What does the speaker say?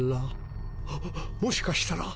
はっもしかしたら。